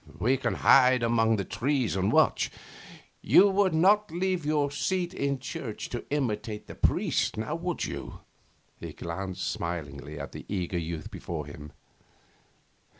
We can hide among the trees and watch. You would not leave your seat in church to imitate the priest, would you?' He glanced smilingly at the eager youth before him.